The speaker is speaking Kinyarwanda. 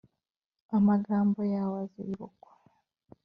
amagambo yawe azibukwa